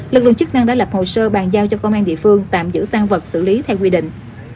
lực lượng chức năng đã lập hồ sơ bàn giao cho công an địa phương tạm giữ tăng vật xử lý theo quy định